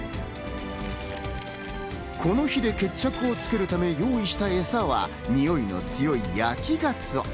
この日で決着をつけるため、用意したエサはにおいの強い焼きがつお。